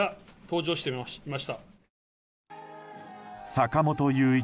坂本雄一